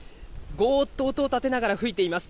ごーっと音を立てながら吹いています。